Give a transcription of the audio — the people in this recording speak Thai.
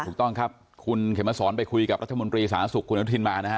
ถูกต้องครับคุณเขมสอนไปคุยกับรัฐมนตรีสาธารณสุขคุณอนุทินมานะฮะ